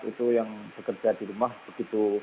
itu yang bekerja di rumah begitu